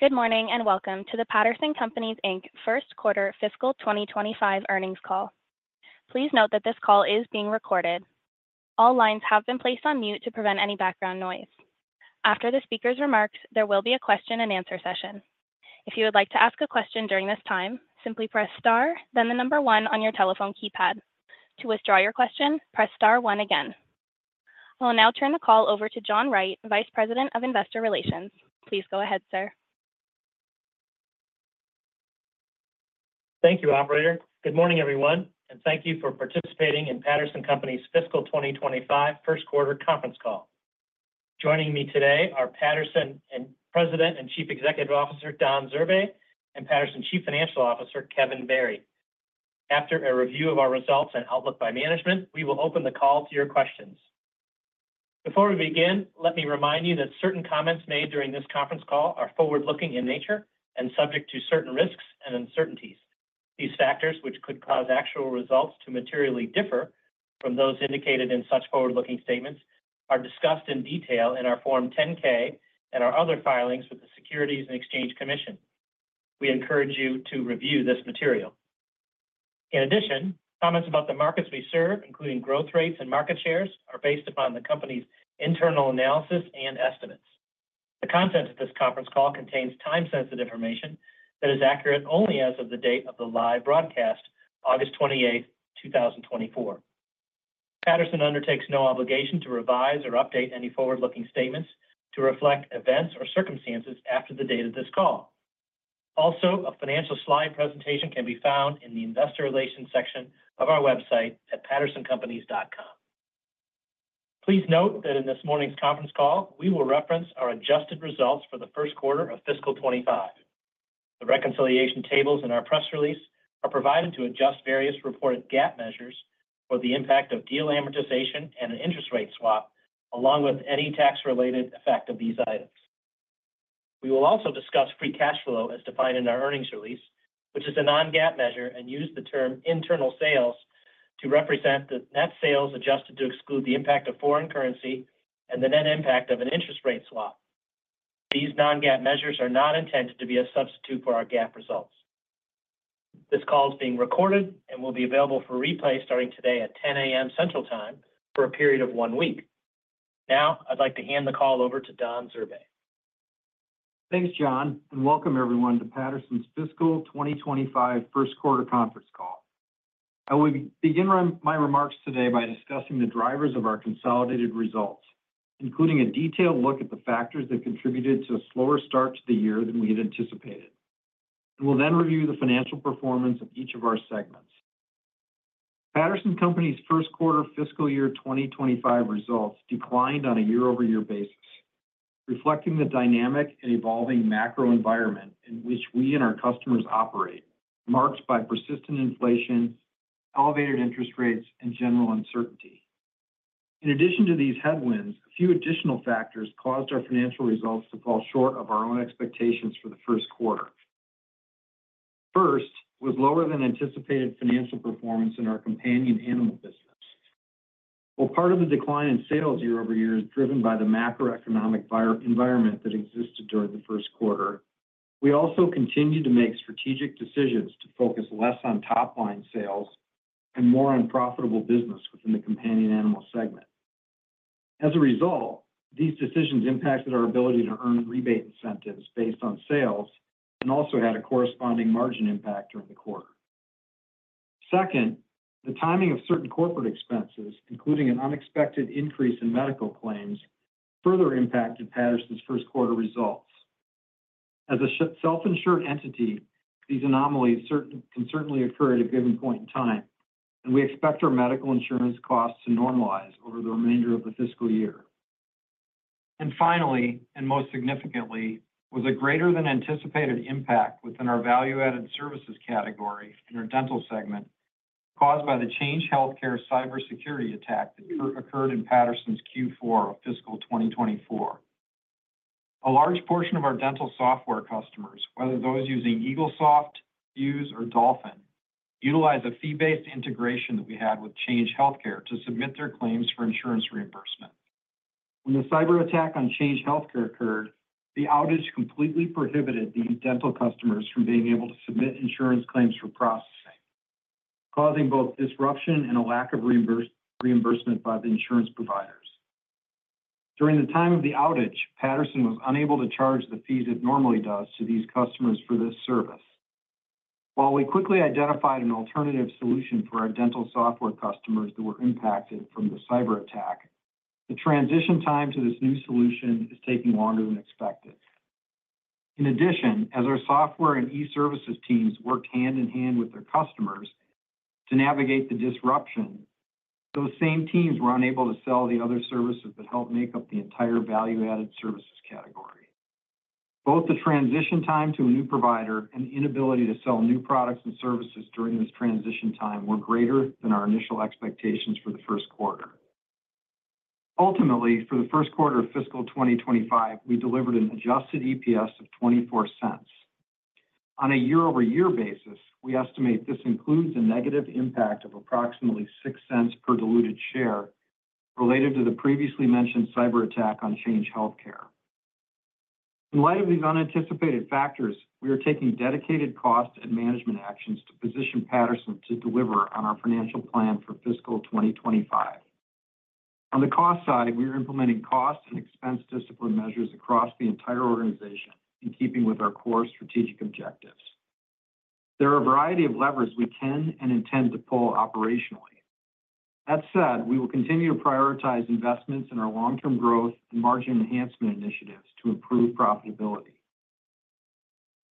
Good morning, and welcome to the Patterson Companies Inc First Quarter Fiscal 2025 Earnings Call. Please note that this call is being recorded. All lines have been placed on mute to prevent any background noise. After the speaker's remarks, there will be a question-and-answer session. If you would like to ask a question during this time, simply press star, then the number one on your telephone keypad. To withdraw your question, press star one again. I will now turn the call over to John Wright, Vice President of Investor Relations. Please go ahead, sir. Thank you, operator. Good morning, everyone, and thank you for participating in Patterson Companies' Fiscal 2025 First Quarter Conference Call. Joining me today are Patterson's President and Chief Executive Officer, Don Zurbay, and Patterson's Chief Financial Officer, Kevin Barry. After a review of our results and outlook by management, we will open the call to your questions. Before we begin, let me remind you that certain comments made during this conference call are forward-looking in nature and subject to certain risks and uncertainties. These factors, which could cause actual results to materially differ from those indicated in such forward-looking statements, are discussed in detail in our Form 10-K and our other filings with the Securities and Exchange Commission. We encourage you to review this material. In addition, comments about the markets we serve, including growth rates and market shares, are based upon the company's internal analysis and estimates. The content of this conference call contains time-sensitive information that is accurate only as of the date of the live broadcast, August 28, 2024. Patterson undertakes no obligation to revise or update any forward-looking statements to reflect events or circumstances after the date of this call. Also, a financial slide presentation can be found in the Investor Relations section of our website at pattersoncompanies.com. Please note that in this morning's conference call, we will reference our adjusted results for the first quarter of fiscal 2025. The reconciliation tables in our press release are provided to adjust various reported GAAP measures for the impact of deal amortization and an interest rate swap, along with any tax-related effect of these items. We will also discuss free cash flow as defined in our earnings release, which is a non-GAAP measure, and use the term internal sales to represent the net sales, adjusted to exclude the impact of foreign currency and the net impact of an interest rate swap. These non-GAAP measures are not intended to be a substitute for our GAAP results. This call is being recorded and will be available for replay starting today at 10:00 A.M. Central Time for a period of one week. Now, I'd like to hand the call over to Don Zurbay. Thanks, John, and welcome everyone to Patterson's Fiscal 2025 First Quarter Conference Call. I will begin my remarks today by discussing the drivers of our consolidated results, including a detailed look at the factors that contributed to a slower start to the year than we had anticipated. We'll then review the financial performance of each of our segments. Patterson Companies' first quarter fiscal year 2025 results declined on a year-over-year basis, reflecting the dynamic and evolving macro environment in which we and our customers operate, marked by persistent inflation, elevated interest rates, and general uncertainty. In addition to these headwinds, a few additional factors caused our financial results to fall short of our own expectations for the first quarter. First, was lower than anticipated financial performance in our companion animal business. While part of the decline in sales year-over-year is driven by the macroeconomic environment that existed during the first quarter, we also continued to make strategic decisions to focus less on top-line sales and more on profitable business within the companion animal segment. As a result, these decisions impacted our ability to earn rebate incentives based on sales and also had a corresponding margin impact during the quarter. Second, the timing of certain corporate expenses, including an unexpected increase in medical claims, further impacted Patterson's first quarter results. As a self-insured entity, these anomalies can certainly occur at a given point in time, and we expect our medical insurance costs to normalize over the remainder of the fiscal year. Finally, and most significantly, was a greater than anticipated impact within our value-added services category in our dental segment, caused by the Change Healthcare cybersecurity attack that occurred in Patterson's Q4 of fiscal 2024. A large portion of our dental software customers, whether those using Eaglesoft, Fuse, or Dolphin, utilize a fee-based integration that we had with Change Healthcare to submit their claims for insurance reimbursement. When the cyberattack on Change Healthcare occurred, the outage completely prohibited these dental customers from being able to submit insurance claims for processing, causing both disruption and a lack of reimbursement by the insurance providers. During the time of the outage, Patterson was unable to charge the fees it normally does to these customers for this service. While we quickly identified an alternative solution for our dental software customers that were impacted from the cyberattack, the transition time to this new solution is taking longer than expected. In addition, as our software and e-services teams worked hand in hand with their customers to navigate the disruption, those same teams were unable to sell the other services that help make up the entire value-added services category. Both the transition time to a new provider and inability to sell new products and services during this transition time were greater than our initial expectations for the first quarter. Ultimately, for the first quarter of fiscal 2025, we delivered an Adjusted EPS of $0.24. On a year-over-year basis, we estimate this includes a negative impact of approximately $0.06 per diluted share related to the previously mentioned cyberattack on Change Healthcare. In light of these unanticipated factors, we are taking dedicated cost and management actions to position Patterson to deliver on our financial plan for fiscal 2025. On the cost side, we are implementing cost and expense discipline measures across the entire organization in keeping with our core strategic objectives. There are a variety of levers we can and intend to pull operationally. That said, we will continue to prioritize investments in our long-term growth and margin enhancement initiatives to improve profitability.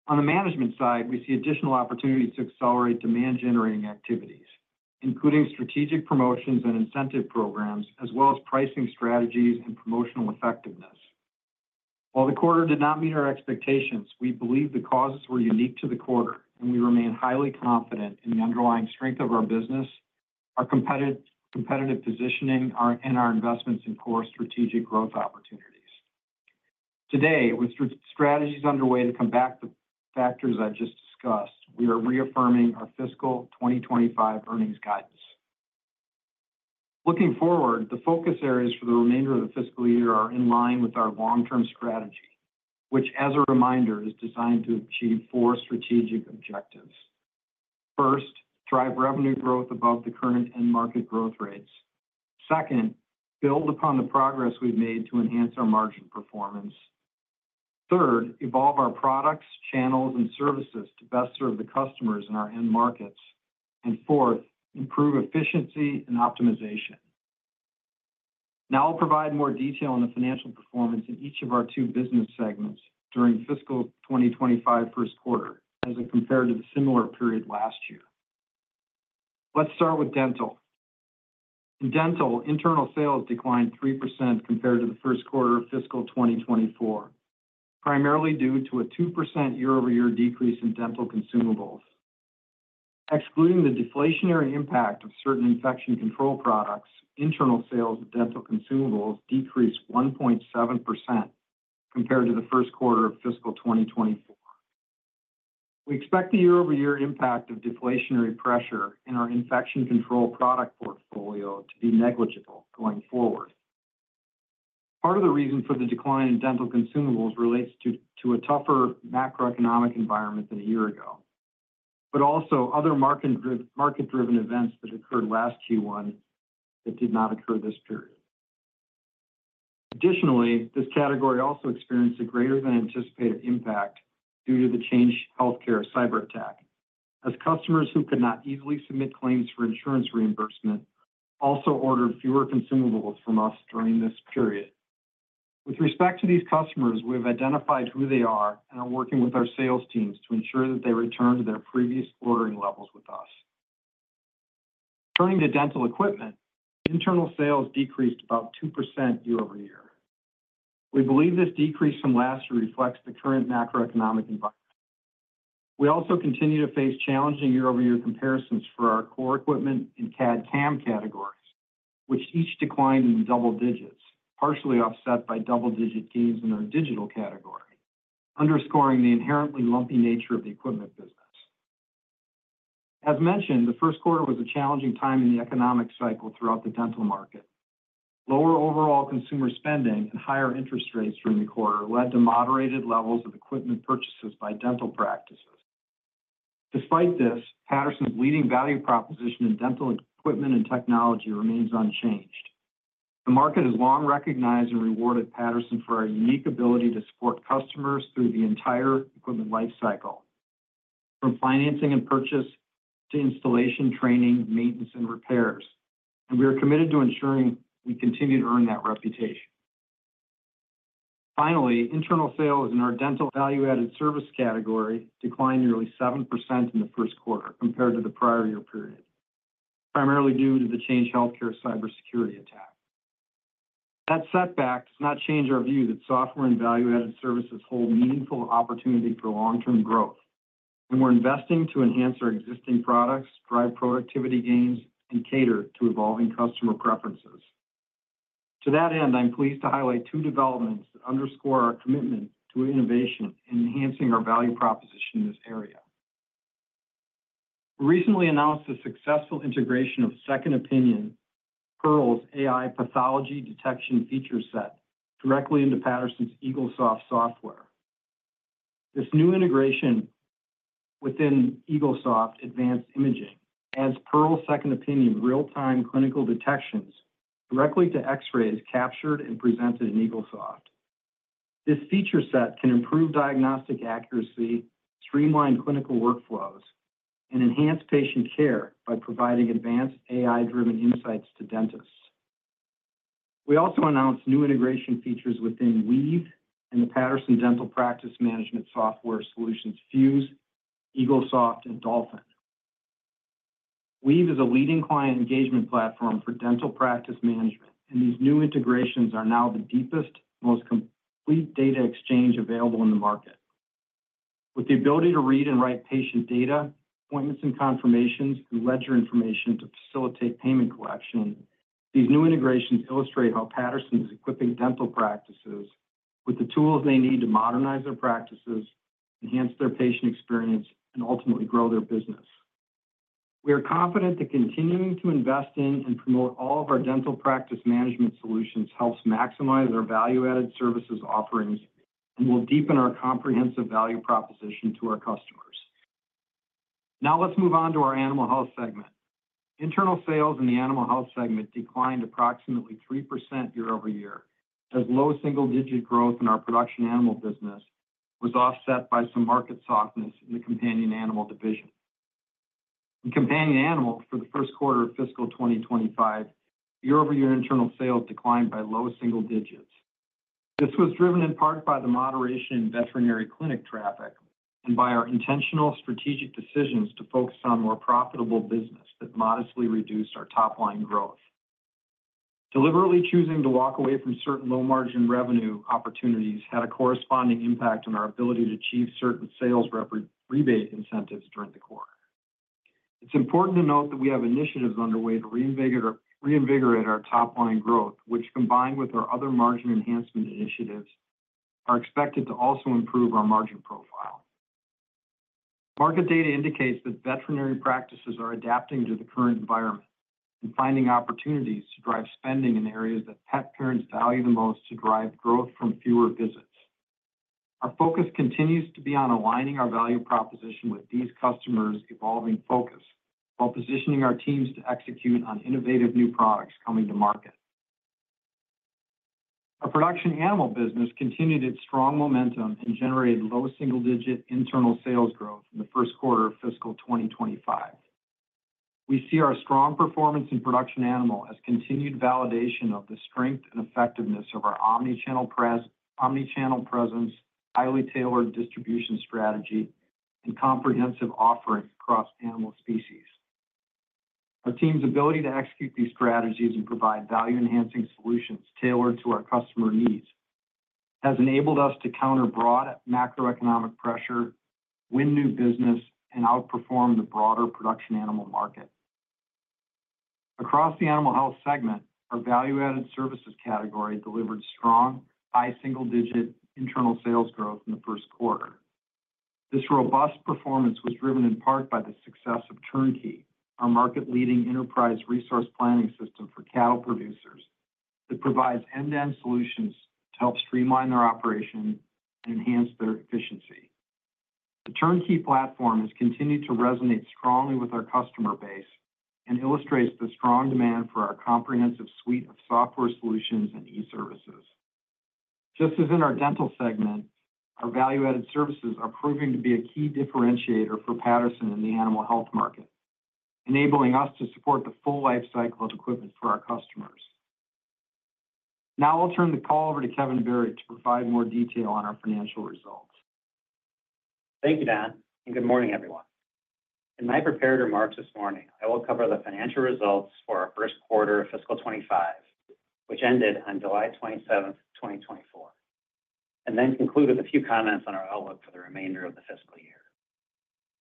On the management side, we see additional opportunities to accelerate demand-generating activities, including strategic promotions and incentive programs, as well as pricing strategies and promotional effectiveness. While the quarter did not meet our expectations, we believe the causes were unique to the quarter, and we remain highly confident in the underlying strength of our business, our competitive positioning, and our investments in core strategic growth opportunities. Today, with strategies underway to combat the factors I just discussed, we are reaffirming our fiscal 2025 earnings guidance. Looking forward, the focus areas for the remainder of the fiscal year are in line with our long-term strategy, which, as a reminder, is designed to achieve four strategic objectives. First, drive revenue growth above the current end market growth rates. Second, build upon the progress we've made to enhance our margin performance. Third, evolve our products, channels, and services to best serve the customers in our end markets. And fourth, improve efficiency and optimization. Now I'll provide more detail on the financial performance in each of our two business segments during fiscal 2025 first quarter as it compared to the similar period last year. Let's start with dental. In dental, internal sales declined 3% compared to the first quarter of fiscal 2024, primarily due to a 2% year-over-year decrease in dental consumables. Excluding the deflationary impact of certain infection control products, internal sales of dental consumables decreased 1.7% compared to the first quarter of fiscal 2024. We expect the year-over-year impact of deflationary pressure in our infection control product portfolio to be negligible going forward. Part of the reason for the decline in dental consumables relates to a tougher macroeconomic environment than a year ago, but also other market-driven events that occurred last Q1 that did not occur this period. Additionally, this category also experienced a greater than anticipated impact due to the Change Healthcare cyberattack, as customers who could not easily submit claims for insurance reimbursement also ordered fewer consumables from us during this period. With respect to these customers, we have identified who they are and are working with our sales teams to ensure that they return to their previous ordering levels with us. Turning to dental equipment, internal sales decreased about 2% year-over-year. We believe this decrease from last year reflects the current macroeconomic environment. We also continue to face challenging year-over-year comparisons for our core equipment and CAD/CAM categories, which each declined in double digits, partially offset by double-digit gains in our digital category, underscoring the inherently lumpy nature of the equipment business. As mentioned, the first quarter was a challenging time in the economic cycle throughout the dental market. Lower overall consumer spending and higher interest rates during the quarter led to moderated levels of equipment purchases by dental practices. Despite this, Patterson's leading value proposition in dental equipment and technology remains unchanged. The market has long recognized and rewarded Patterson for our unique ability to support customers through the entire equipment lifecycle, from financing and purchase to installation, training, maintenance, and repairs, and we are committed to ensuring we continue to earn that reputation. Finally, internal sales in our dental value-added service category declined nearly 7% in the first quarter compared to the prior year period, primarily due to the Change Healthcare cybersecurity attack. That setback does not change our view that software and value-added services hold meaningful opportunity for long-term growth, and we're investing to enhance our existing products, drive productivity gains, and cater to evolving customer preferences. To that end, I'm pleased to highlight two developments that underscore our commitment to innovation and enhancing our value proposition in this area. We recently announced the successful integration of Second Opinion, Pearl's AI pathology detection feature set, directly into Patterson's Eaglesoft software. This new integration within Eaglesoft Advanced Imaging adds Pearl Second Opinion real-time clinical detections directly to X-rays captured and presented in Eaglesoft. This feature set can improve diagnostic accuracy, streamline clinical workflows, and enhance patient care by providing advanced AI-driven insights to dentists. We also announced new integration features within Weave and the Patterson Dental practice management software solutions, Fuse, Eaglesoft, and Dolphin. Weave is a leading client engagement platform for dental practice management, and these new integrations are now the deepest, most complete data exchange available in the market. With the ability to read and write patient data, appointments and confirmations, and ledger information to facilitate payment collection. These new integrations illustrate how Patterson is equipping dental practices with the tools they need to modernize their practices, enhance their patient experience, and ultimately grow their business. We are confident that continuing to invest in and promote all of our dental practice management solutions helps maximize our value-added services offerings and will deepen our comprehensive value proposition to our customers. Now, let's move on to our animal health segment. Internal sales in the animal health segment declined approximately 3% year-over-year, as low single-digit growth in our production animal business was offset by some market softness in the companion animal division. In companion animals, for the first quarter of fiscal 2025, year-over-year internal sales declined by low single digits. This was driven in part by the moderation in veterinary clinic traffic and by our intentional strategic decisions to focus on more profitable business that modestly reduced our top-line growth. Deliberately choosing to walk away from certain low-margin revenue opportunities had a corresponding impact on our ability to achieve certain sales rebate incentives during the quarter. It's important to note that we have initiatives underway to reinvigorate our top-line growth, which, combined with our other margin enhancement initiatives, are expected to also improve our margin profile. Market data indicates that veterinary practices are adapting to the current environment and finding opportunities to drive spending in areas that pet parents value the most to drive growth from fewer visits. Our focus continues to be on aligning our value proposition with these customers' evolving focus, while positioning our teams to execute on innovative new products coming to market. Our production animal business continued its strong momentum and generated low single-digit internal sales growth in the first quarter of fiscal 2025. We see our strong performance in production animal as continued validation of the strength and effectiveness of our omni-channel presence, highly tailored distribution strategy, and comprehensive offerings across animal species. Our team's ability to execute these strategies and provide value-enhancing solutions tailored to our customer needs has enabled us to counter broad macroeconomic pressure, win new business, and outperform the broader production animal market. Across the animal health segment, our value-added services category delivered strong, high single-digit internal sales growth in the first quarter. This robust performance was driven in part by the success of Turnkey, our market-leading enterprise resource planning system for cattle producers, that provides end-to-end solutions to help streamline their operation and enhance their efficiency. The Turnkey platform has continued to resonate strongly with our customer base and illustrates the strong demand for our comprehensive suite of software solutions and e-services. Just as in our dental segment, our value-added services are proving to be a key differentiator for Patterson in the animal health market, enabling us to support the full life cycle of equipment for our customers. Now, I'll turn the call over to Kevin Barry to provide more detail on our financial results. Thank you, Don, and good morning, everyone. In my prepared remarks this morning, I will cover the financial results for our first quarter of fiscal 2025, which ended on July 27th, 2024, and then conclude with a few comments on our outlook for the remainder of the fiscal year.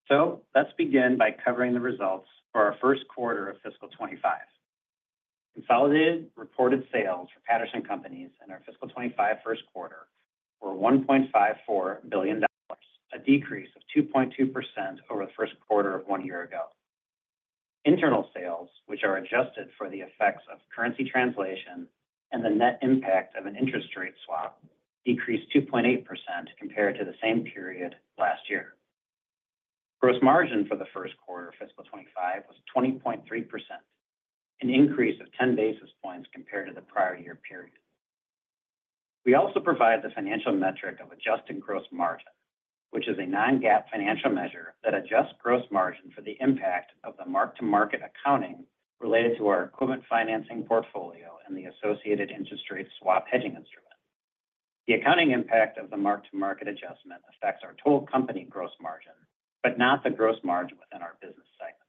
So let's begin by covering the results for our first quarter of fiscal 2025. Consolidated reported sales for Patterson Companies in our fiscal 2025 first quarter were $1.54 billion, a decrease of 2.2% over the first quarter of one year ago. Internal sales, which are adjusted for the effects of currency translation and the net impact of an interest rate swap, decreased 2.8% compared to the same period last year. Gross margin for the first quarter of fiscal 2025 was 20.3%, an increase of 10 basis points compared to the prior year period. We also provide the financial metric of adjusted gross margin, which is a non-GAAP financial measure that adjusts gross margin for the impact of the mark-to-market accounting related to our equipment financing portfolio and the associated interest rate swap hedging instrument. The accounting impact of the mark-to-market adjustment affects our total company gross margin, but not the gross margin within our business segment.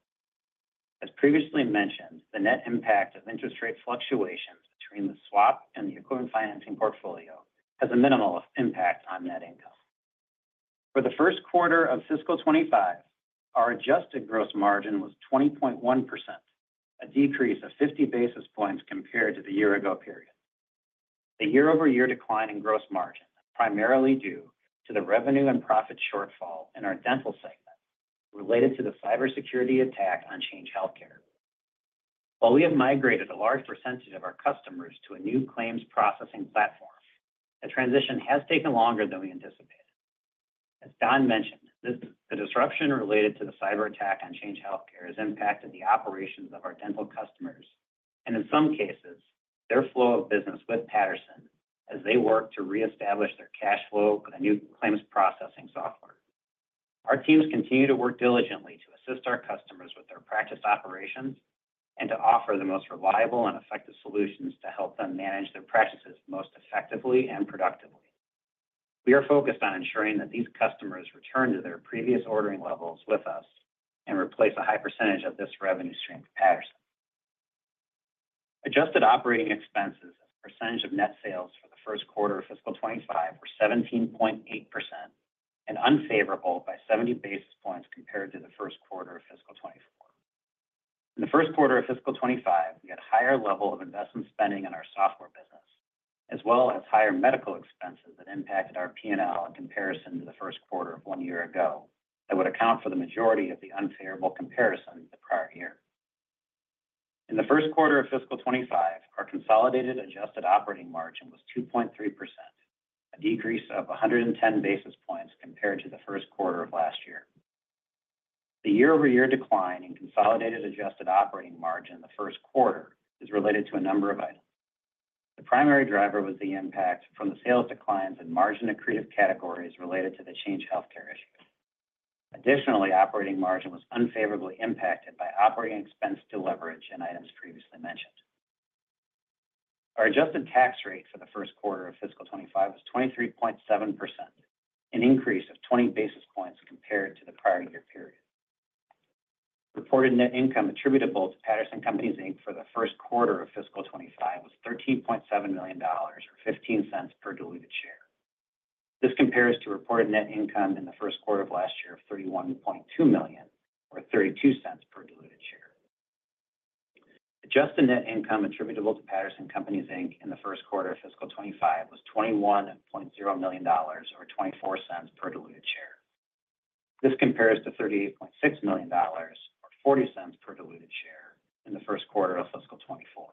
As previously mentioned, the net impact of interest rate fluctuations between the swap and the equipment financing portfolio has a minimal impact on net income. For the first quarter of fiscal 2025, our adjusted gross margin was 20.1%, a decrease of 50 basis points compared to the year-ago period. The year-over-year decline in gross margin, primarily due to the revenue and profit shortfall in our dental segment related to the cybersecurity attack on Change Healthcare. While we have migrated a large percentage of our customers to a new claims processing platform, the transition has taken longer than we anticipated. As Don mentioned, this, the disruption related to the cyberattack on Change Healthcare has impacted the operations of our dental customers and, in some cases, their flow of business with Patterson as they work to reestablish their cash flow with a new claims processing software. Our teams continue to work diligently to assist our customers with their practice operations and to offer the most reliable and effective solutions to help them manage their practices most effectively and productively. We are focused on ensuring that these customers return to their previous ordering levels with us and replace a high percentage of this revenue stream with Patterson. Adjusted operating expenses as a percentage of net sales for the first quarter of fiscal 2025 were 17.8% and unfavorable by 70 basis points compared to the first quarter of fiscal 2024. In the first quarter of fiscal 2025, we had a higher level of investment spending in our software business, as well as higher medical expenses that impacted our PNL in comparison to the first quarter of one year ago. That would account for the majority of the unfavorable comparison to the prior year. In the first quarter of fiscal 2025, our consolidated adjusted operating margin was 2.3%, a decrease of 110 basis points compared to the first quarter of last year. The year-over-year decline in consolidated adjusted operating margin in the first quarter is related to a number of items. The primary driver was the impact from the sales declines in margin accretive categories related to the Change Healthcare issue. Additionally, operating margin was unfavorably impacted by operating expense deleverage in items previously mentioned. Our adjusted tax rate for the first quarter of fiscal 2025 was 23.7%, an increase of 20 basis points compared to the prior year period. Reported net income attributable to Patterson Companies Inc for the first quarter of fiscal 2025 was $13.7 million or $0.15 per diluted share. This compares to reported net income in the first quarter of last year of $31.2 million or $0.32 per diluted share. Adjusted net income attributable to Patterson Companies Inc In the first quarter of fiscal 2025 was $21.0 million, or $0.24 per diluted share. This compares to $38.6 million, or $0.40 per diluted share in the first quarter of fiscal 2024.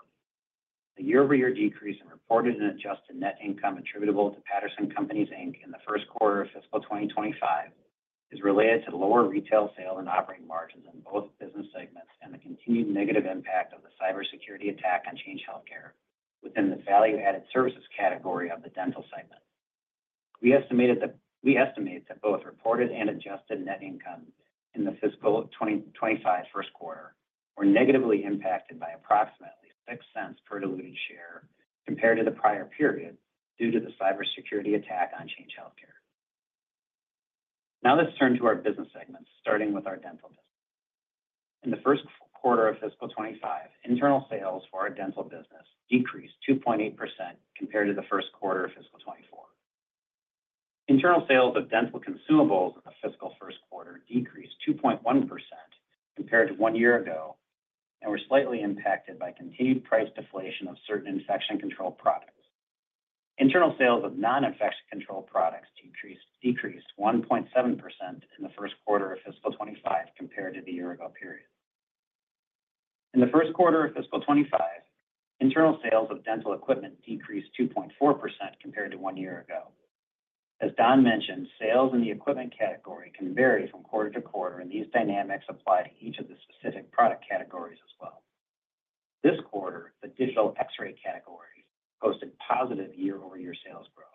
The year-over-year decrease in reported and adjusted net income attributable to Patterson Companies Inc in the first quarter of fiscal 2025 is related to lower retail sales and operating margins in both business segments and the continued negative impact of the cybersecurity attack on Change Healthcare within the value-added services category of the dental segment. We estimate that both reported and adjusted net income in the fiscal 2025 first quarter were negatively impacted by approximately $0.06 per diluted share compared to the prior period due to the cybersecurity attack on Change Healthcare. Now, let's turn to our business segments, starting with our dental business. In the first quarter of fiscal 2025, internal sales for our dental business decreased 2.8% compared to the first quarter of fiscal 2024. Internal sales of dental consumables in the fiscal first quarter decreased 2.1% compared to one year ago, and were slightly impacted by continued price deflation of certain infection control products. Internal sales of non-infection control products decreased 1.7% in the first quarter of fiscal 2025 compared to the year ago period. In the first quarter of fiscal 2025, internal sales of dental equipment decreased 2.4% compared to one year ago. As Don mentioned, sales in the equipment category can vary from quarter to quarter, and these dynamics apply to each of the specific product categories as well. This quarter, the digital X-ray category posted positive year-over-year sales growth,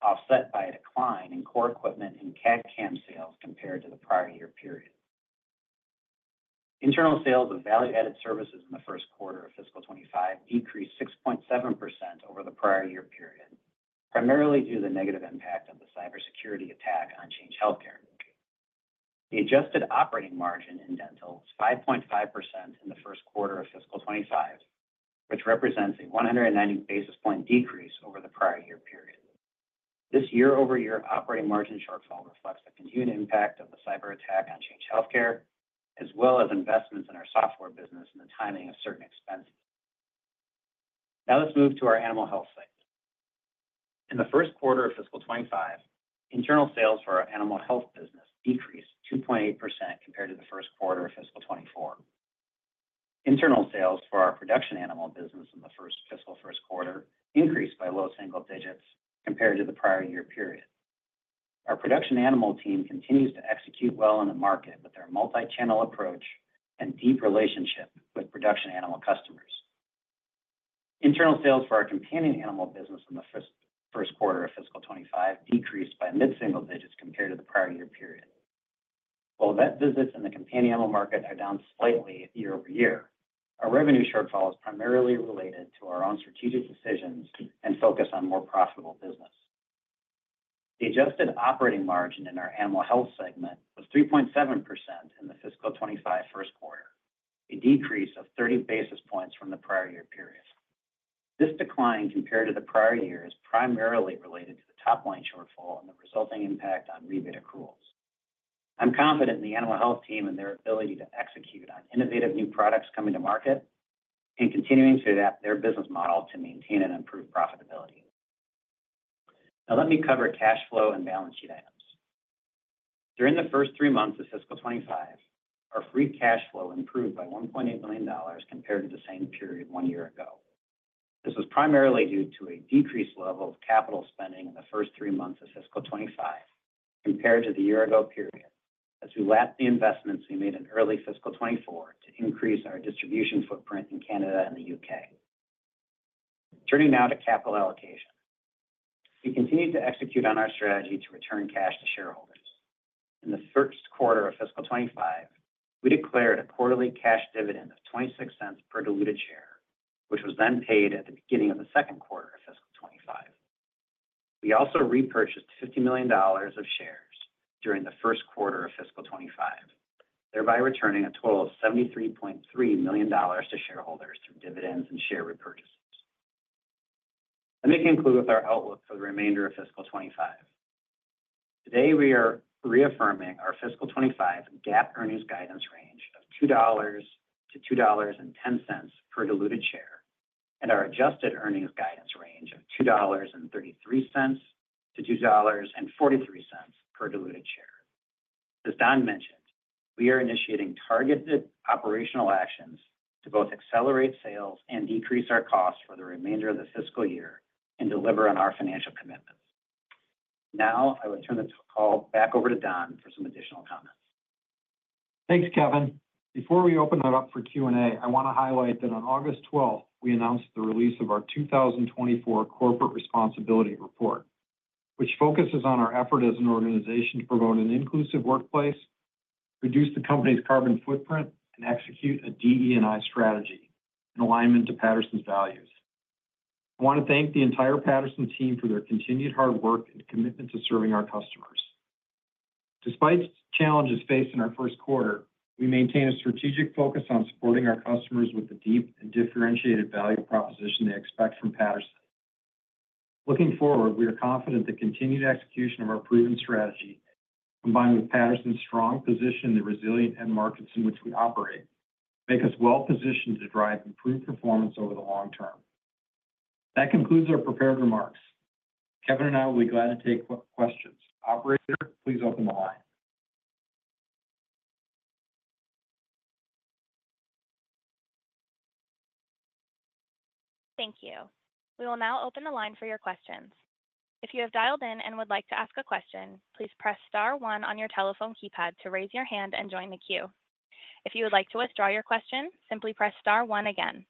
offset by a decline in core equipment and CAD/CAM sales compared to the prior year period. Internal sales of value-added services in the first quarter of fiscal 2025 decreased 6.7% over the prior year period, primarily due to the negative impact of the cybersecurity attack on Change Healthcare. The adjusted operating margin in dental was 5.5% in the first quarter of fiscal 2025, which represents a 190 basis point decrease over the prior year period. This year-over-year operating margin shortfall reflects the continued impact of the cyberattack on Change Healthcare, as well as investments in our software business and the timing of certain expenses. Now, let's move to our animal health segment. In the first quarter of fiscal 2025, internal sales for our animal health business decreased 2.8% compared to the first quarter of fiscal 2024. Internal sales for our production animal business in the first quarter increased by low single digits compared to the prior year period. Our production animal team continues to execute well in the market with their multi-channel approach and deep relationship with production animal customers. Internal sales for our companion animal business in the first quarter of fiscal 2025 decreased by mid-single digits compared to the prior year period. While vet visits in the companion animal market are down slightly year-over-year, our revenue shortfall is primarily related to our own strategic decisions and focus on more profitable business. The adjusted operating margin in our animal health segment was 3.7% in the fiscal 2025 first quarter, a decrease of 30 basis points from the prior year period. This decline, compared to the prior year, is primarily related to the top-line shortfall and the resulting impact on rebate accruals. I'm confident in the animal health team and their ability to execute on innovative new products coming to market and continuing to adapt their business model to maintain and improve profitability. Now let me cover cash flow and balance sheet items. During the first three months of fiscal 2025, our free cash flow improved by $1.8 million compared to the same period one year ago. This was primarily due to a decreased level of capital spending in the first three months of fiscal 2025 compared to the year ago period, as we lapped the investments we made in early fiscal 2024 to increase our distribution footprint in Canada and the UK Turning now to capital allocation. We continued to execute on our strategy to return cash to shareholders. In the first quarter of fiscal 2025, we declared a quarterly cash dividend of $0.26 per diluted share, which was then paid at the beginning of the second quarter of fiscal 2025. We also repurchased $50 million of shares during the first quarter of fiscal 2025, thereby returning a total of $73.3 million to shareholders through dividends and share repurchases. Let me conclude with our outlook for the remainder of fiscal 2025. Today, we are reaffirming our fiscal 2025 GAAP earnings guidance range of $2.00-$2.10 per diluted share, and our adjusted earnings guidance range of $2.33-$2.43 per diluted share. As Don mentioned, we are initiating targeted operational actions to both accelerate sales and decrease our costs for the remainder of the fiscal year and deliver on our financial commitments. Now, I would turn this call back over to Don for some additional comments. Thanks, Kevin. Before we open it up for Q&A, I want to highlight that on August 12, 2024, we announced the release of our 2024 Corporate Responsibility Report, which focuses on our effort as an organization to promote an inclusive workplace, reduce the company's carbon footprint, and execute a DE&I strategy in alignment to Patterson's values. I want to thank the entire Patterson team for their continued hard work and commitment to serving our customers. Despite challenges faced in our first quarter, we maintain a strategic focus on supporting our customers with the deep and differentiated value proposition they expect from Patterson. Looking forward, we are confident that continued execution of our proven strategy, combined with Patterson's strong position in the resilient end markets in which we operate, make us well positioned to drive improved performance over the long term. That concludes our prepared remarks. Kevin and I will be glad to take questions. Operator, please open the line. Thank you. We will now open the line for your questions. If you have dialed in and would like to ask a question, please press star one on your telephone keypad to raise your hand and join the queue. If you would like to withdraw your question, simply press star one again.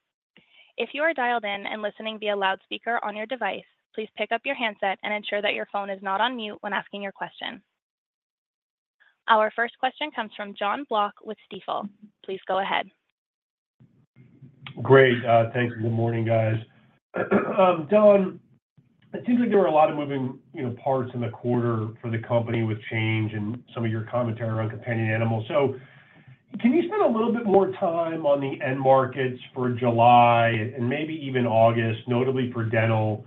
If you are dialed in and listening via loudspeaker on your device, please pick up your handset and ensure that your phone is not on mute when asking your question. Our first question comes from Jon Block with Stifel. Please go ahead. Great. Thank you. Good morning, guys. Don, it seems like there were a lot of moving, you know, parts in the quarter for the company with Change and some of your commentary on companion animals. So can you spend a little bit more time on the end markets for July and maybe even August, notably for dental?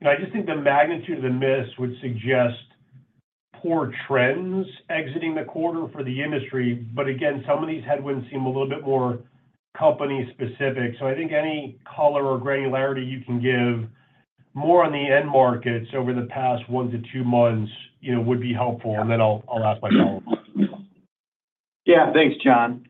You know, I just think the magnitude of the miss would suggest poor trends exiting the quarter for the industry, but again, some of these headwinds seem a little bit more company specific. So I think any color or granularity you can give more on the end markets over the past one to two months, you know, would be helpful, and then I'll ask my follow-up. Yeah. Thanks, Jon.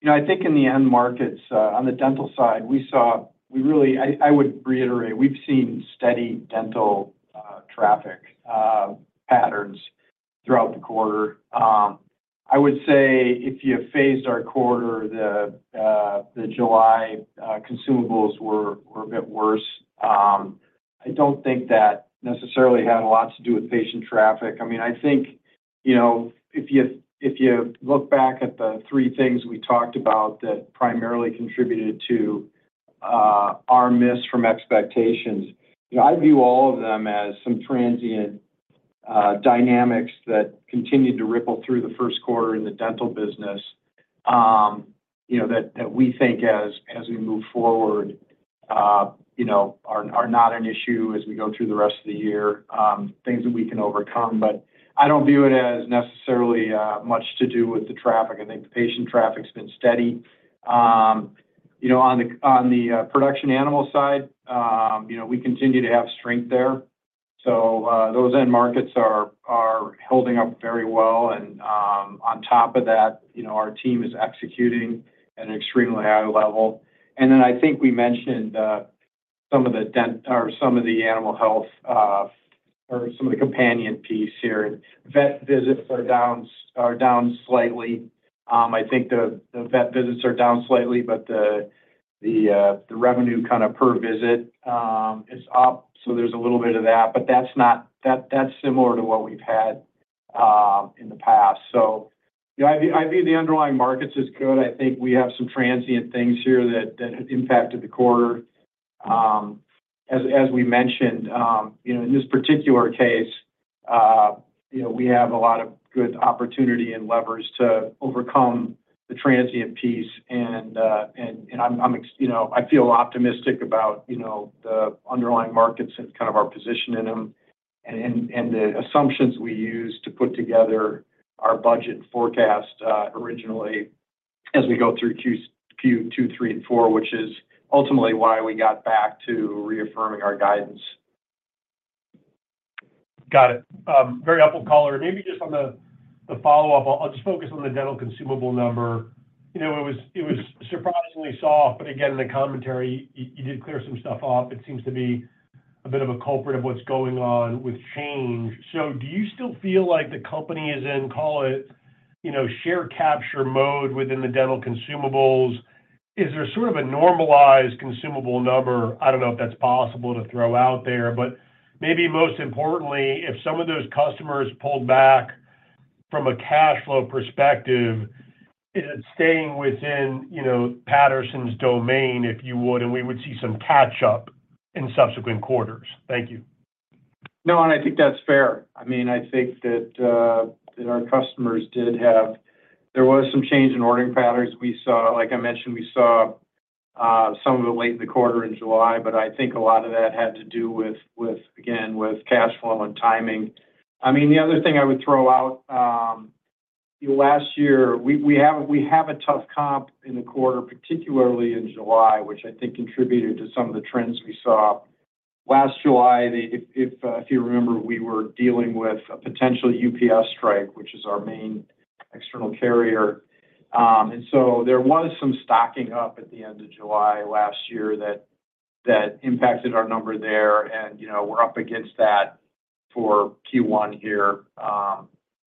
You know, I think in the end markets, on the dental side, we saw, we really, I would reiterate, we've seen steady dental traffic patterns throughout the quarter. I would say if you phase our quarter, the July consumables were a bit worse. I don't think that necessarily had a lot to do with patient traffic. I mean, I think, you know, if you look back at the three things we talked about that primarily contributed to our miss from expectations, you know, I view all of them as some transient dynamics that continued to ripple through the first quarter in the dental business, you know, that we think as we move forward, you know, are not an issue as we go through the rest of the year, things that we can overcome. But I don't view it as necessarily much to do with the traffic. I think the patient traffic's been steady. You know, on the production animal side, you know, we continue to have strength there, so those end markets are holding up very well. On top of that, you know, our team is executing at an extremely high level. I think we mentioned some of the dental or some of the animal health or some of the companion piece here. Vet visits are down slightly. I think the vet visits are down slightly, but the revenue kind of per visit is up, so there's a little bit of that, but that's not, that, that's similar to what we've had in the past. So, I view the underlying markets as good. I think we have some transient things here that impacted the quarter. As we mentioned, you know, in this particular case, you know, we have a lot of good opportunity and levers to overcome the transient piece, and I feel optimistic about, you know, the underlying markets and kind of our position in them and the assumptions we used to put together our budget forecast originally as we go through Q2, Q3, and Q4, which is ultimately why we got back to reaffirming our guidance. Got it. Very helpful color. Maybe just on the follow-up, I'll just focus on the dental consumable number. You know, it was surprisingly soft, but again, in the commentary, you did clear some stuff off. It seems to be a bit of a culprit of what's going on with Change. So do you still feel like the company is in, call it, you know, share capture mode within the dental consumables? Is there sort of a normalized consumable number? I don't know if that's possible to throw out there, but maybe most importantly, if some of those customers pulled back from a cash flow perspective, is it staying within, you know, Patterson's domain, if you would, and we would see some catch up in subsequent quarters? Thank you. No, and I think that's fair. I mean, I think that our customers did have. There was some change in ordering patterns. We saw, like I mentioned, some of it late in the quarter in July, but I think a lot of that had to do with cash flow and timing. I mean, the other thing I would throw out, last year, we had a tough comp in the quarter, particularly in July, which I think contributed to some of the trends we saw. Last July, if you remember, we were dealing with a potential UPS strike, which is our main external carrier. And so there was some stocking up at the end of July last year that impacted our number there, and, you know, we're up against that for Q1 here,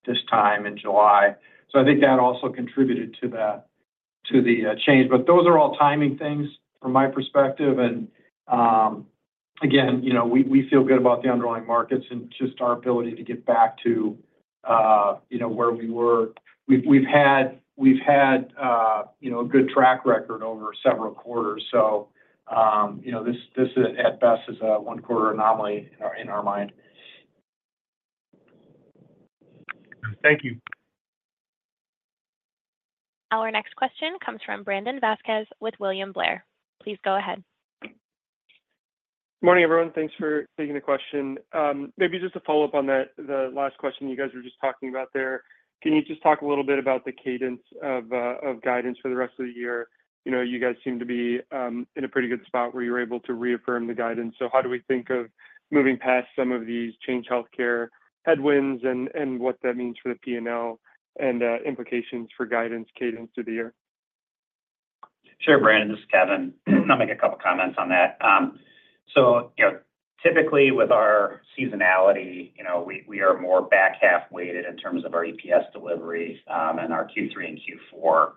this time in July. So I think that also contributed to that, to the change. But those are all timing things from my perspective. And, again, you know, we feel good about the underlying markets and just our ability to get back to, you know, where we were. We've had, you know, a good track record over several quarters, so, you know, this at best is a one-quarter anomaly in our mind. Thank you. Our next question comes from Brandon Vazquez with William Blair. Please go ahead. Good morning, everyone. Thanks for taking the question. Maybe just a follow-up on that, the last question you guys were just talking about there. Can you just talk a little bit about the cadence of guidance for the rest of the year? You know, you guys seem to be in a pretty good spot where you're able to reaffirm the guidance. So how do we think of moving past some of these Change Healthcare headwinds and what that means for the P&L and implications for guidance cadence through the year? Sure, Brandon, this is Kevin. I'll make a couple comments on that, so you know, typically with our seasonality, you know, we are more back-half weighted in terms of our EPS delivery, and our Q3 and Q4.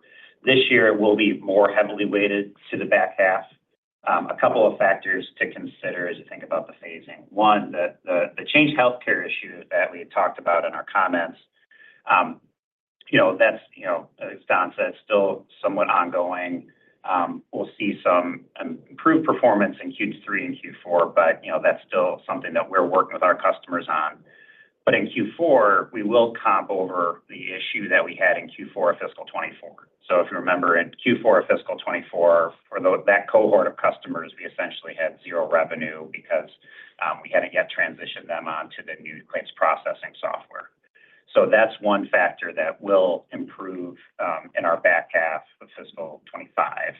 This year will be more heavily weighted to the back half. A couple of factors to consider as you think about the phasing. One, the Change Healthcare issue that we had talked about in our comments, you know, that's, you know, as Don said, still somewhat ongoing. We'll see some improved performance in Q3 and Q4, but you know, that's still something that we're working with our customers on. But in Q4, we will comp over the issue that we had in Q4 of fiscal 2024. So if you remember, in Q4 of fiscal 2024, for that cohort of customers, we essentially had zero revenue because we hadn't yet transitioned them onto the new claims processing software. So that's one factor that will improve in our back half of fiscal 2025.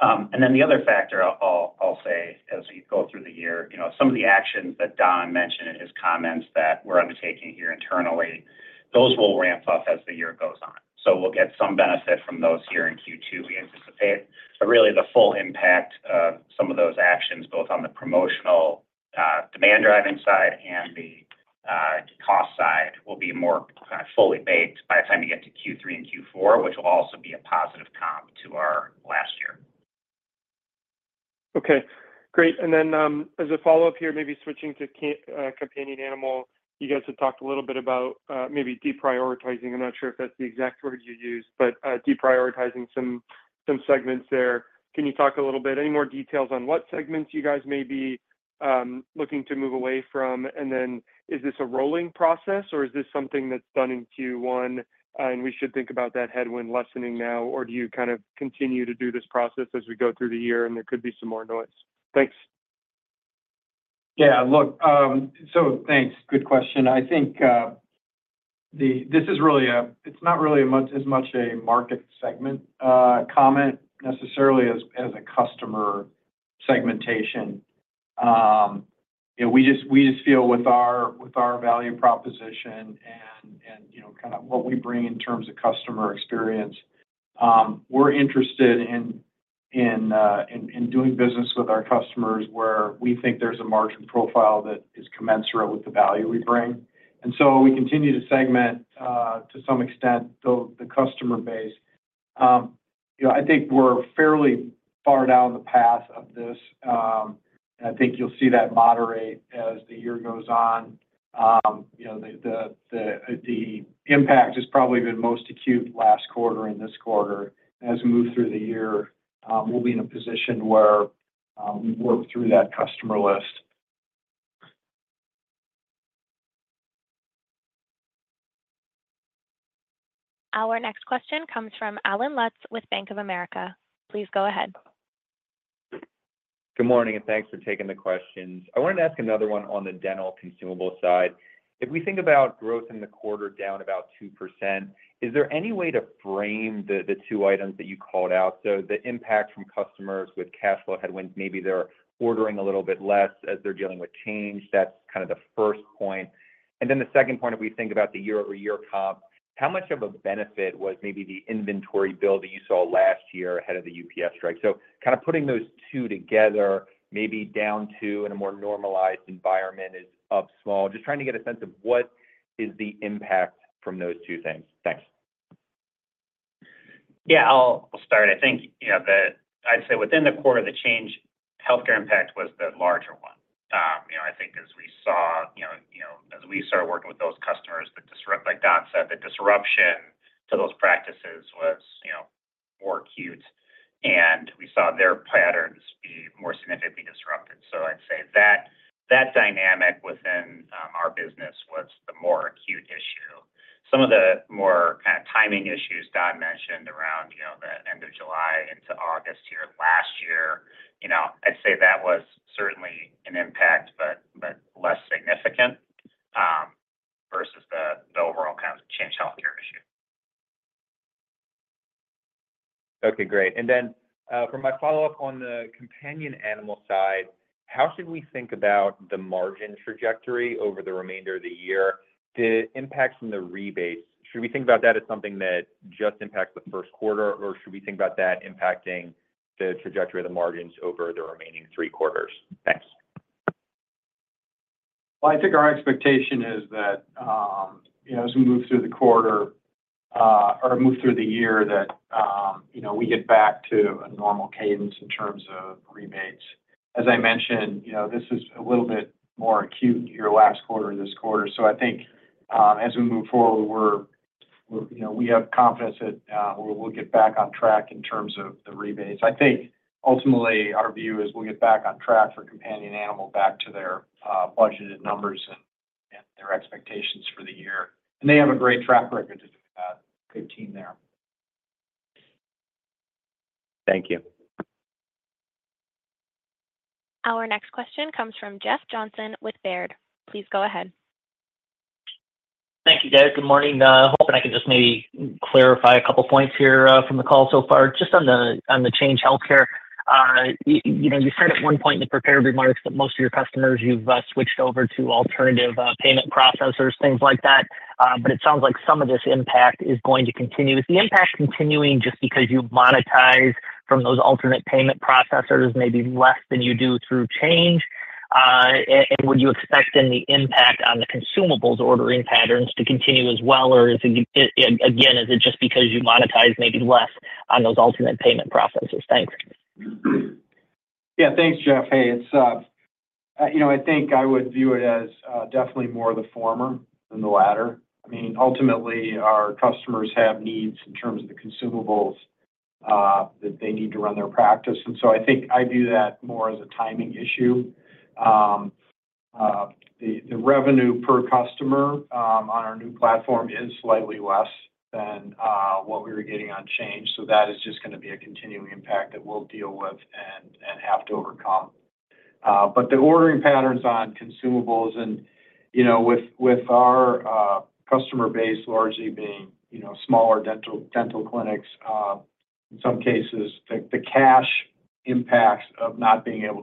And then the other factor I'll say, as we go through the year, you know, some of the actions that Don mentioned in his comments that we're undertaking here internally, those will ramp up as the year goes on. So we'll get some benefit from those here in Q2, we anticipate. But really, the full impact of some of those actions, both on the promotional, demand-driving side and the cost side, will be more kind of fully baked by the time we get to Q3 and Q4, which will also be a positive comp to our last year. Okay, great. And then, as a follow-up here, maybe switching to companion animal, you guys have talked a little bit about, maybe deprioritizing. I'm not sure if that's the exact word you used, but, deprioritizing some segments there. Can you talk a little bit, any more details on what segments you guys may be looking to move away from? And then, is this a rolling process, or is this something that's done in Q1, and we should think about that headwind lessening now? Or do you kind of continue to do this process as we go through the year and there could be some more noise? Thanks. Yeah. Look, so thanks. Good question. I think this is really a it's not really as much a market segment comment necessarily as a customer segmentation. You know, we just feel with our value proposition and, you know, kind of what we bring in terms of customer experience, we're interested in doing business with our customers where we think there's a margin profile that is commensurate with the value we bring. And so we continue to segment to some extent the customer base. You know, I think we're fairly far down the path of this. And I think you'll see that moderate as the year goes on. You know, the impact has probably been most acute last quarter and this quarter. As we move through the year, we'll be in a position where we've worked through that customer list. Our next question comes from Allen Lutz with Bank of America. Please go ahead. Good morning, and thanks for taking the questions. I wanted to ask another one on the dental consumable side. If we think about growth in the quarter down about 2%, is there any way to frame the, the two items that you called out? So the impact from customers with cash flow headwinds, maybe they're ordering a little bit less as they're dealing with change. That's kind of the first point. And then the second point, if we think about the year-over-year comp, how much of a benefit was maybe the inventory build that you saw last year ahead of the UPS strike? So kind of putting those two together, maybe down to in a more normalized environment is up small. Just trying to get a sense of what is the impact from those two things. Thanks. Yeah. I'll start. I think, you know, the. I'd say within the quarter, the Change Healthcare impact was the larger one. You know, I think as we saw, you know, as we started working with those customers like Don said, the disruption to those practices was, you know, more acute, and we saw their patterns be more significantly disrupted. So I'd say that dynamic within our business was the more acute issue. Some of the more kind of timing issues Don mentioned around, you know, the end of July into August here last year, you know, I'd say that was certainly an impact, but less significant versus the overall kind of Change Healthcare issue. Okay, great. And then, for my follow-up on the companion animal side, how should we think about the margin trajectory over the remainder of the year? The impacts from the rebates, should we think about that as something that just impacts the first quarter, or should we think about that impacting the trajectory of the margins over the remaining three quarters? Thanks. I think our expectation is that, you know, as we move through the quarter, or move through the year, that, you know, we get back to a normal cadence in terms of rebates. As I mentioned, you know, this is a little bit more acute year, last quarter and this quarter. So I think, as we move forward, we're, you know, we have confidence that, we, we'll get back on track in terms of the rebates. I think ultimately our view is we'll get back on track for companion animal back to their, budgeted numbers and their expectations for the year, and they have a great track record to do that. Good team there. Thank you. Our next question comes from Jeff Johnson with Baird. Please go ahead. Thank you, guys. Good morning. Hoping I can just maybe clarify a couple points here, from the call so far, just on the Change Healthcare. You know, you said at one point in the prepared remarks that most of your customers you've switched over to alternative payment processors, things like that. But it sounds like some of this impact is going to continue. Is the impact continuing just because you monetize from those alternate payment processors, maybe less than you do through Change? And would you expect any impact on the consumables ordering patterns to continue as well, or is it again just because you monetize maybe less on those alternate payment processors? Thanks. Yeah, thanks, Jeff. Hey, it's, you know, I think I would view it as, definitely more of the former than the latter. I mean, ultimately, our customers have needs in terms of the consumables, that they need to run their practice, and so I think I view that more as a timing issue. The revenue per customer, on our new platform is slightly less than, what we were getting on Change, so that is just gonna be a continuing impact that we'll deal with and have to overcome. But the ordering patterns on consumables and, you know, with our customer base largely being, you know, smaller dental clinics, in some cases, the cash impacts of not being able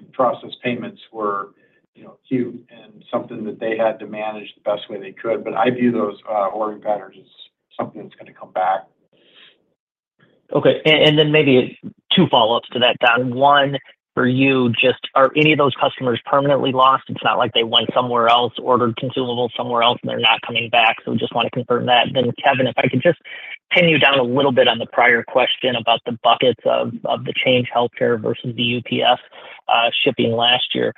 to process payments were, you know, acute and something that they had to manage the best way they could, but I view those ordering patterns as something that's gonna come back. Okay. And then maybe two follow-ups to that, Don. One, for you, just are any of those customers permanently lost? It's not like they went somewhere else, ordered consumables somewhere else, and they're not coming back, so just want to confirm that. Then, Kevin, if I could just pin you down a little bit on the prior question about the buckets of the Change Healthcare versus the UPS shipping last year.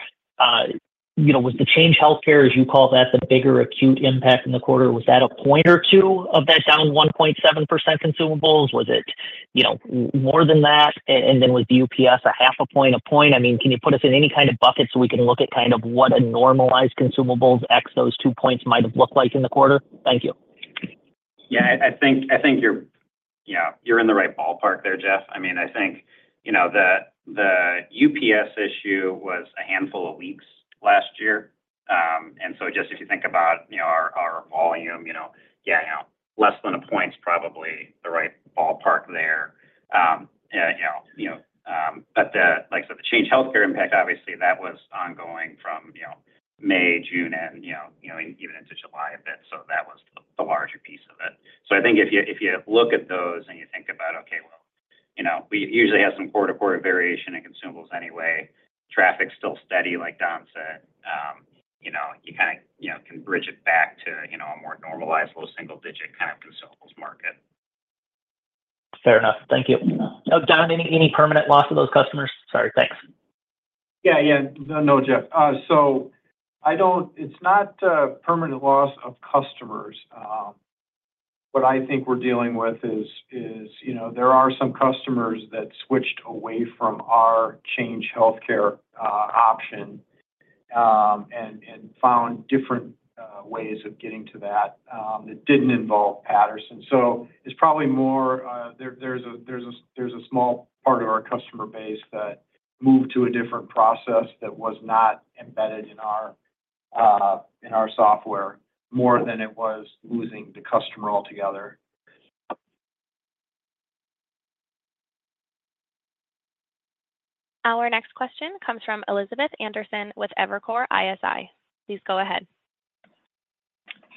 You know, with the Change Healthcare, as you call that, the bigger acute impact in the quarter, was that a point or two of that down 1.7% consumables? Was it, you know, more than that? And then with the UPS, a half a point, a point? I mean, can you put us in any kind of bucket so we can look at kind of what a normalized consumables ex those two points might have looked like in the quarter? Thank you. Yeah, I think you're, yeah, you're in the right ballpark there, Jeff. I mean, I think, you know, the UPS issue was a handful of weeks last year. And so just if you think about, you know, our volume, you know, yeah, less than a point is probably the right ballpark there. And, you know, but like I said, the Change Healthcare impact, obviously, that was ongoing from, you know, May, June, and, you know, even into July a bit, so that was the larger piece of it. So I think if you, if you look at those and you think about, okay, well, you know, we usually have some quarter to quarter variation in consumables anyway. Traffic's still steady, like Don said. You know, you kind of, you know, can bridge it back to, you know, a more normalized, low single digit kind of consumables market. Fair enough. Thank you. Yeah. Don, any permanent loss of those customers? Sorry. Thanks. Yeah, yeah. No, Jeff. So I don't, it's not a permanent loss of customers. What I think we're dealing with is, you know, there are some customers that switched away from our Change Healthcare option, and found different ways of getting to that, that didn't involve Patterson. So it's probably more, there's a small part of our customer base that moved to a different process that was not embedded in our software, more than it was losing the customer altogether. Our next question comes from Elizabeth Anderson with Evercore ISI. Please go ahead.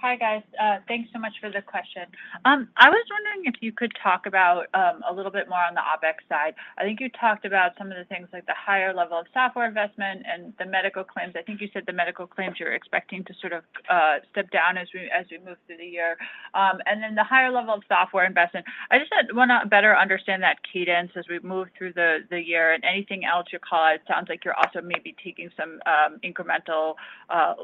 Hi, guys. Thanks so much for the question. I was wondering if you could talk about a little bit more on the OpEx side. I think you talked about some of the things like the higher level of software investment and the medical claims. I think you said the medical claims, you're expecting to sort of step down as we move through the year. And then the higher level of software investment, I just want to better understand that cadence as we've moved through the year and anything else you call it. It sounds like you're also maybe taking some incremental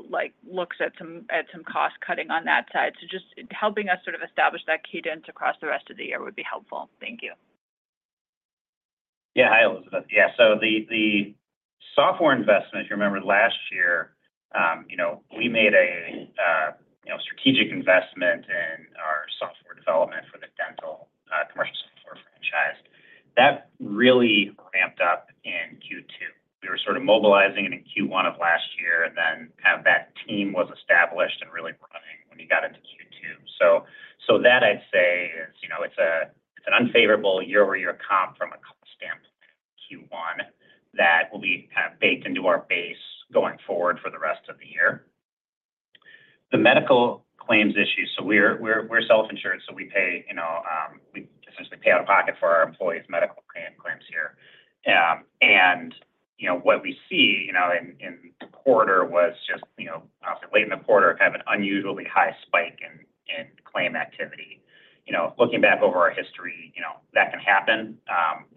like looks at some cost cutting on that side. So just helping us sort of establish that cadence across the rest of the year would be helpful. Thank you. Yeah. Hi, Elizabeth. Yeah, so, the, the software investment, if you remember last year, you know, we made a you know, strategic investment in our software development for the dental commercial software franchise. That really ramped up in Q2. We were sort of mobilizing it in Q1 of last year, and then kind of that team was established and really running when you got into Q2. So that I'd say is, you know, it's a, it's an unfavorable year-over-year comp from a strong Q1 that will be kind of baked into our base going forward for the rest of the year. The medical claims issue, so we're self-insured, so we pay, you know, we essentially pay out-of-pocket for our employees' medical claims here. And, you know, what we see, you know, in the quarter was just, you know, late in the quarter, kind of an unusually high spike in claim activity. You know, looking back over our history, you know, that can happen.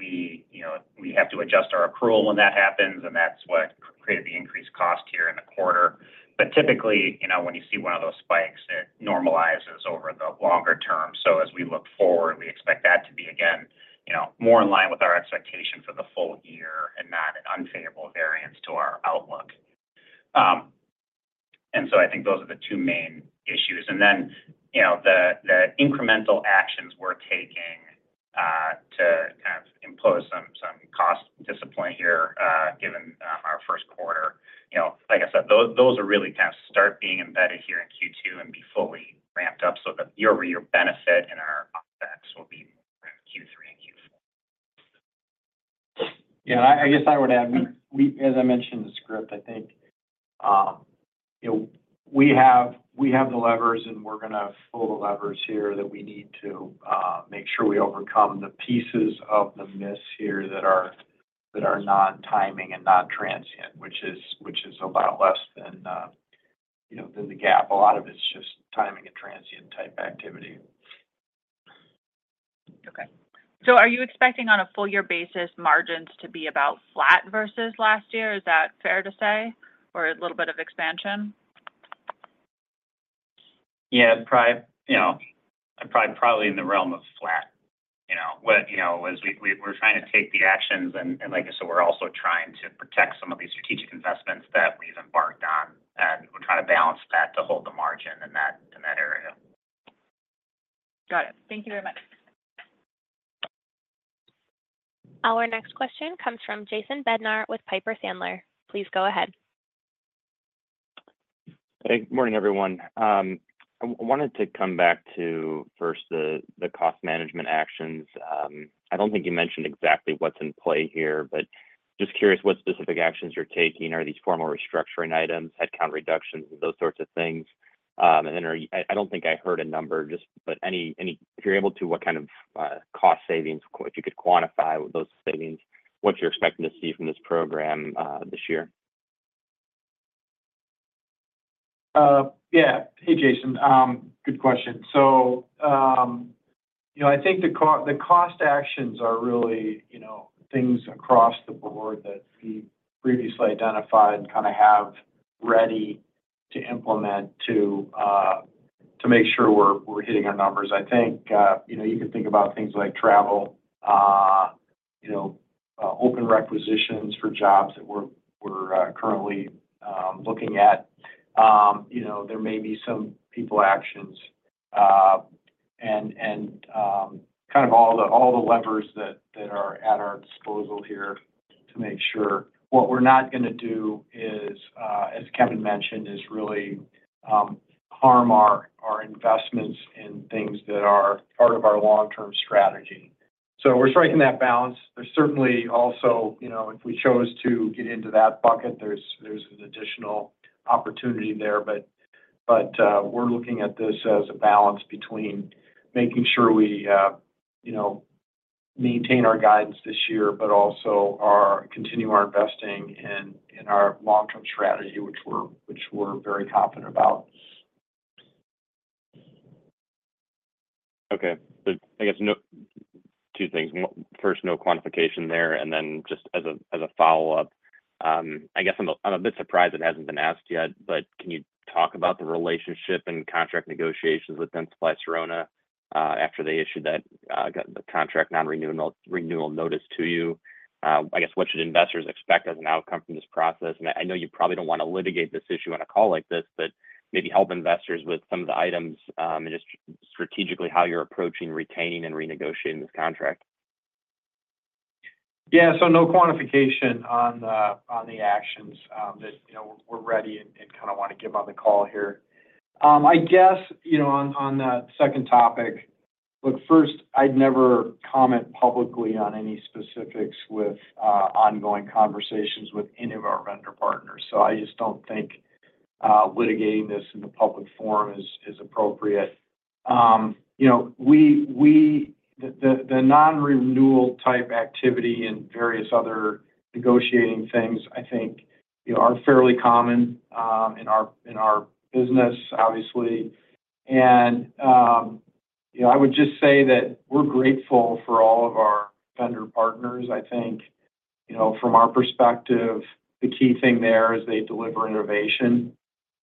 You know, we have to adjust our accrual when that happens, and that's what created the increased cost here in the quarter. But typically, you know, when you see one of those spikes, it normalizes over the longer term. So as we look forward, we expect that to be, again, you know, more in line with our expectation for the full year and not an unfavorable variance to our outlook. And so I think those are the two main issues. And then, you know, the incremental actions we're taking to kind of impose some cost discipline here, given our first quarter. You know, like I said, those are really kind of start being embedded here in Q2 and be fully ramped up, so the year-over-year benefit and our effects will be Q3 and Q4. Yeah, I guess I would add, we as I mentioned in the script, I think, you know, we have the levers, and we're gonna pull the levers here that we need to make sure we overcome the pieces of the miss here that are not timing and not transient, which is a lot less than, you know, than the gap. A lot of it's just timing and transient type activity. Okay, so are you expecting on a full year basis, margins to be about flat versus last year? Is that fair to say, or a little bit of expansion? Yeah, probably, you know, in the realm of flat, you know. But, you know, as we're trying to take the actions, and like I said, we're also trying to protect some of these strategic investments that we've embarked on, and we're trying to balance that to hold the margin in that area. Got it. Thank you very much. Our next question comes from Jason Bednar with Piper Sandler. Please go ahead. Hey, good morning, everyone. I wanted to come back to, first, the cost management actions. I don't think you mentioned exactly what's in play here, but just curious what specific actions you're taking. Are these formal restructuring items, headcount reductions, those sorts of things? And I don't think I heard a number, just but any, if you're able to, what kind of cost savings, if you could quantify those savings, what you're expecting to see from this program, this year? Yeah. Hey, Jason. Good question, so you know, I think the cost actions are really, you know, things across the board that we previously identified and kind of have ready to implement to make sure we're hitting our numbers. I think you know, you can think about things like travel, you know, open requisitions for jobs that we're currently looking at. You know, there may be some people actions, and kind of all the levers that are at our disposal here to make sure. What we're not gonna do is, as Kevin mentioned, is really harm our investments in things that are part of our long-term strategy, so we're striking that balance. There's certainly also, you know, if we chose to get into that bucket, there's an additional opportunity there. But we're looking at this as a balance between making sure we, you know, maintain our guidance this year, but also continue our investing in our long-term strategy, which we're very confident about. Okay. But I guess now two things. Most first, no quantification there, and then just as a follow-up, I guess I'm a bit surprised it hasn't been asked yet, but can you talk about the relationship and contract negotiations with Dentsply Sirona, after they issued that, got the contract nonrenewal renewal notice to you? I guess, what should investors expect as an outcome from this process? And I know you probably don't want to litigate this issue on a call like this, but maybe help investors with some of the items, and just strategically how you're approaching, retaining, and renegotiating this contract. Yeah, so no quantification on the actions that you know we're ready and kind of want to give on the call here. I guess, you know, on the second topic. Look, first, I'd never comment publicly on any specifics with ongoing conversations with any of our vendor partners, so I just don't think litigating this in the public forum is appropriate. You know, the non-renewal type activity and various other negotiating things, I think, you know, are fairly common in our business, obviously, and you know I would just say that we're grateful for all of our vendor partners. I think. You know, from our perspective, the key thing there is they deliver innovation.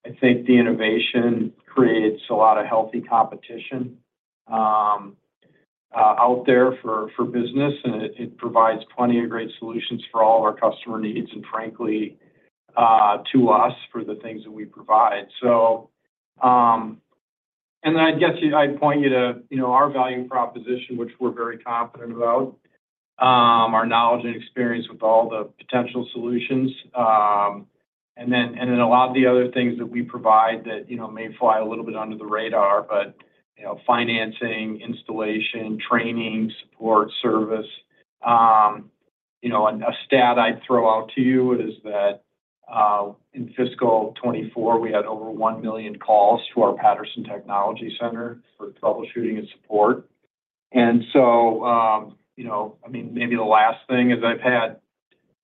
I think the innovation creates a lot of healthy competition out there for business, and it provides plenty of great solutions for all of our customer needs, and frankly to us for the things that we provide. So and then I guess I'd point you to, you know, our value proposition, which we're very confident about, our knowledge and experience with all the potential solutions. And then a lot of the other things that we provide that, you know, may fly a little bit under the radar, but you know, financing, installation, training, support, service. You know, and a stat I'd throw out to you is that in fiscal 2024, we had over one million calls to our Patterson Technology Center for troubleshooting and support. You know, I mean, maybe the last thing is I've had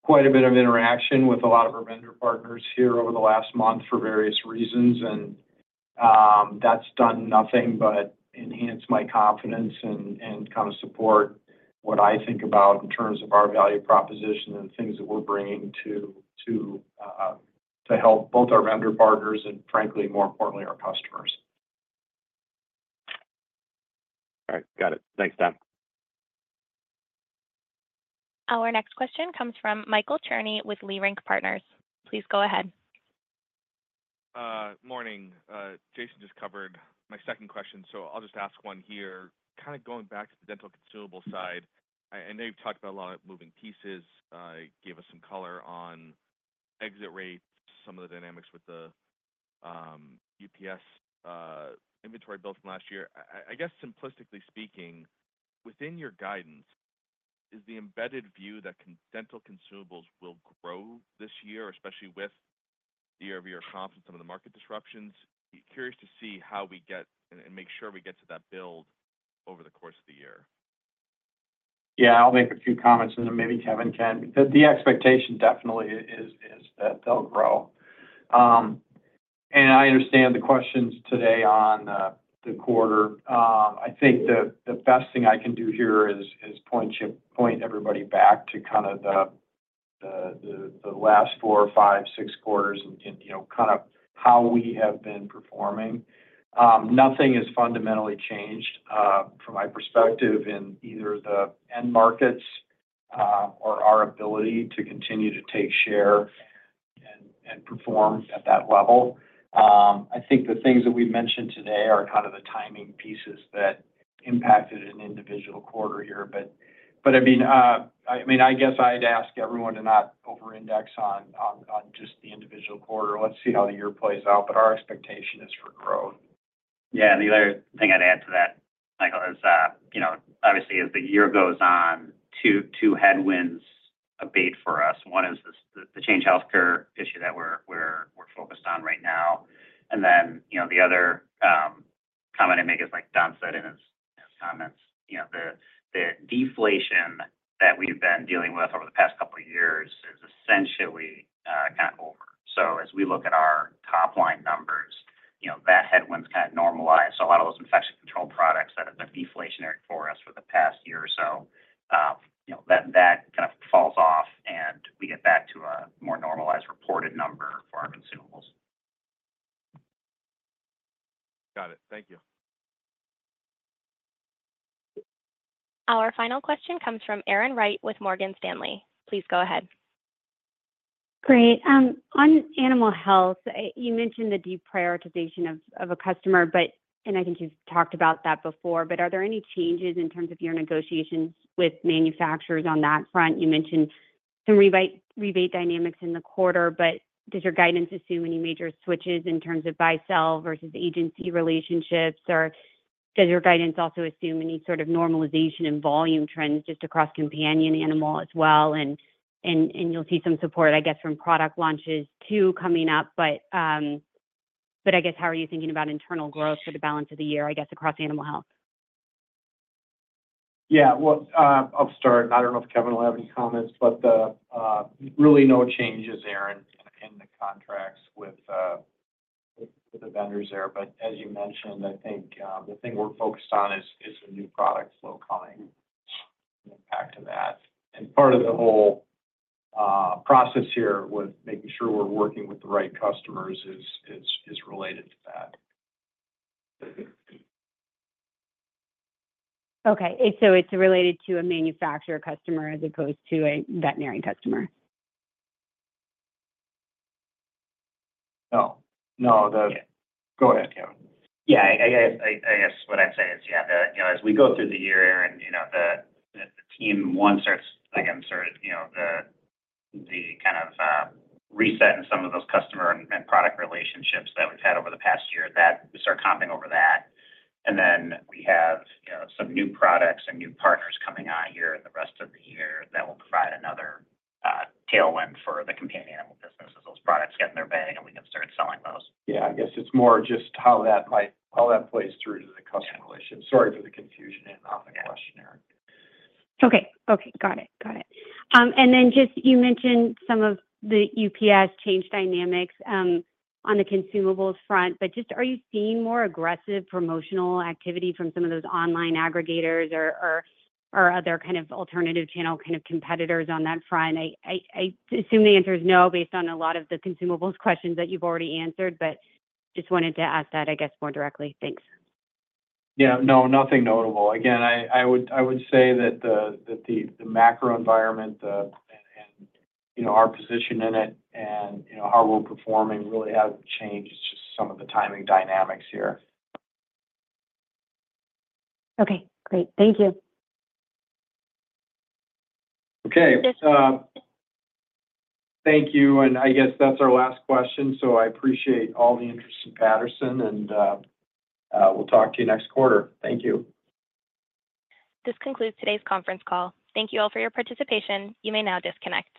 quite a bit of interaction with a lot of our vendor partners here over the last month for various reasons, and that's done nothing but enhance my confidence and kind of support what I think about in terms of our value proposition and things that we're bringing to help both our vendor partners and frankly, more importantly, our customers. All right. Got it. Thanks, Don. Our next question comes from Michael Cherney with Leerink Partners. Please go ahead. Morning. Jason just covered my second question, so I'll just ask one here. Kind of going back to the dental consumable side, and I know you've talked about a lot of moving pieces, gave us some color on exit rates, some of the dynamics with the, UPS, inventory built from last year. I guess simplistically speaking, within your guidance, is the embedded view that dental consumables will grow this year, especially with the year-over-year comp and some of the market disruptions? Curious to see how we get and make sure we get to that build over the course of the year. Yeah, I'll make a few comments, and then maybe Kevin can. The expectation definitely is that they'll grow. And I understand the questions today on the quarter. I think the best thing I can do here is point everybody back to kind of the last four, five, six quarters and, you know, kind of how we have been performing. Nothing has fundamentally changed from my perspective in either the end markets or our ability to continue to take share and perform at that level. I think the things that we've mentioned today are kind of the timing pieces that impacted an individual quarter here. But I mean, I guess I'd ask everyone to not over index on just the individual quarter. Let's see how the year plays out, but our expectation is for growth. Yeah, the other thing I'd add to that, Michael, is, you know, obviously, as the year goes on, two headwinds abate for us. One is the Change Healthcare issue that we're focused on right now. And then, you know, the other comment I'd make is, like Don said in his comments, you know, the deflation that we've been dealing with over the past couple of years is essentially kind of over. So as we look at our top-line numbers, you know, that headwind's kind of normalized. So a lot of those infection control products that have been deflationary for us for the past year or so, you know, that kind of falls off, and we get back to a more normalized reported number for our consumables. Got it. Thank you. Our final question comes from Erin Wright with Morgan Stanley. Please go ahead. Great. On animal health, you mentioned the deprioritization of a customer, but. And I think you've talked about that before, but are there any changes in terms of your negotiations with manufacturers on that front? You mentioned some rebate dynamics in the quarter, but does your guidance assume any major switches in terms of buy-sell versus agency relationships, or does your guidance also assume any sort of normalization in volume trends just across companion animal as well? And you'll see some support, I guess, from product launches, too, coming up, but I guess, how are you thinking about internal growth for the balance of the year, I guess, across animal health? Yeah, well, I'll start. I don't know if Kevin will have any comments, but really no changes, Erin, in the contracts with the vendors there, but as you mentioned, I think the thing we're focused on is the new product flow coming and impact to that, and part of the whole process here with making sure we're working with the right customers is related to that. Okay. So it's related to a manufacturer customer as opposed to a veterinary customer? No. No, Yeah. Go ahead, Kevin. Yeah, I guess what I'd say is, yeah, you know, as we go through the year, and, you know, the Team One starts, again, sort of, you know, the kind of reset in some of those customer and product relationships that we've had over the past year, that we start comping over that. And then we have, you know, some new products and new partners coming on here in the rest of the year that will provide another tailwind for the companion animal business as those products get in their bang, and we can start selling those. Yeah, I guess it's more just how that might, how that plays through to the customer relationship. Yeah. Sorry for the confusion on the question, Erin. Okay. Okay. Got it. Got it. And then just you mentioned some of the UPS change dynamics on the consumables front, but just, are you seeing more aggressive promotional activity from some of those online aggregators or other kind of alternative channel kind of competitors on that front? I assume the answer is no, based on a lot of the consumables questions that you've already answered, but just wanted to ask that, I guess, more directly. Thanks. Yeah. No, nothing notable. Again, I would say that the macro environment, and you know, our position in it and, you know, how we're performing really haven't changed. It's just some of the timing dynamics here. Okay, great. Thank you. Okay. Just- Thank you, and I guess that's our last question, so I appreciate all the interest in Patterson, and we'll talk to you next quarter. Thank you. This concludes today's conference call. Thank you all for your participation. You may now disconnect.